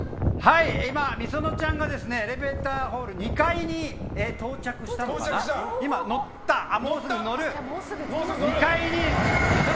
今、ｍｉｓｏｎｏちゃんがエレベーターホール２階に到着しております！